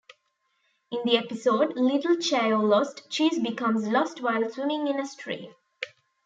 In the episode "Little Chao Lost", Cheese becomes lost while swimming in a stream.